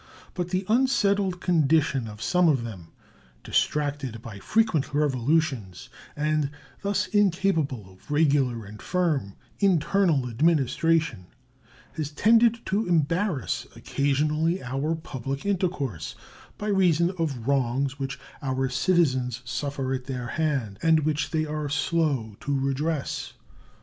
But the unsettled condition of some of them, distracted by frequent revolutions, and thus incapable of regular and firm internal administration, has tended to embarrass occasionally our public intercourse by reason of wrongs which our citizens suffer at their hands, and which they are slow to redress.